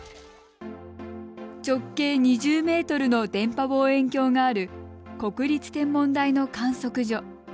直径２０ｍの電波望遠鏡がある国立天文台の観測所。